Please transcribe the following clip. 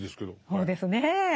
そうですね。